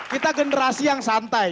kita generasi yang santai